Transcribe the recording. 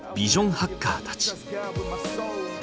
ハッカーたち。